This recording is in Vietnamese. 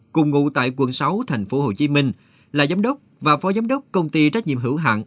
cùng ngụ tại quận sáu tp hcm là giám đốc và phó giám đốc công ty trách nhiệm hữu hạng